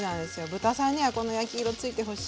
豚さんにはこの焼き色ついてほしい。